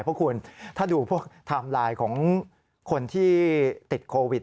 เพราะคุณถ้าดูพวกไทม์ไลน์ของคนที่ติดโควิด